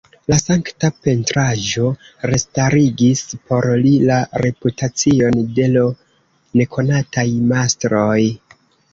La sankta pentraĵo restarigis por li la reputacion de l' nekonataj mastroj.